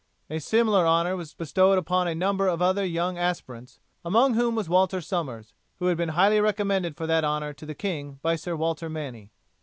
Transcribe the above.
A similar honour was bestowed upon a number of other young aspirants, among whom was Walter Somers, who had been highly recommended for that honour to the king by Sir Walter Manny.